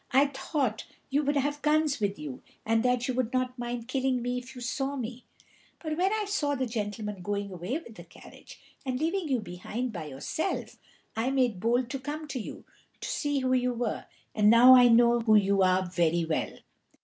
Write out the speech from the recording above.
I thought you would have guns with you, and that you would not mind killing me if you saw me; but when I saw the gentleman going away with the carriage, and leaving you behind by yourself, I made bold to come to you, to see who you were, and now I know who you are very well.